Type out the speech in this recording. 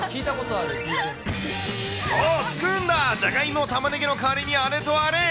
そう、救うんだ、じゃがいも、たまねぎの代わりにあれとあれ！